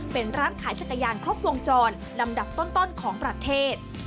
เป็นร้านขายจักรยานครบวงจรลำดับต้นของประเทศ